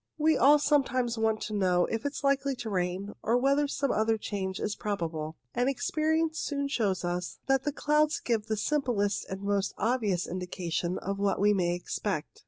We all sometimes want to know if it is likely to rain, or whether some other change is probable ; and experience soon shows us that the clouds give the simplest and most obvious indication of what we may expect.